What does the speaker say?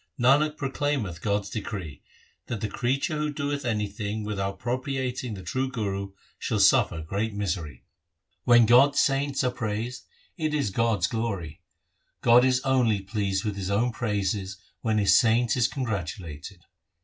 Nanak proclaimeth God's decree, that the creature who doeth anything without propitiating the true Guru shall suffer great misery. 1 1 Gauri ki War I. 64 THE SIKH RELIGION When God's saints are praised, it is God's glory. God is only pleased with His own praises when His saint is congratulated.